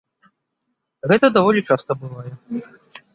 Гэта даволі часта бывае.